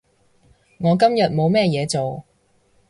我今日冇咩嘢做